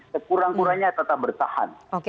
sekurang kurangnya tetap bertahan